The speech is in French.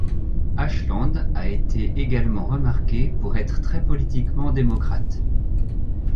Ashland a été également remarquée pour être très politiquement démocrate.